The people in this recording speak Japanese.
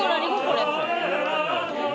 これ。